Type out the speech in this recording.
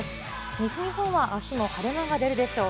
西日本はあすも晴れ間が出るでしょう。